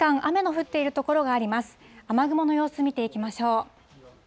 雨雲の様子見ていきましょう。